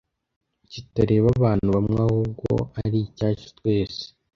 kitareba abantu bamwe ahubwo ari icyacu twese